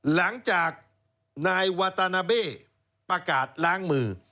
หลังจากนายวาตานาเบ้ประกาศล้างมือ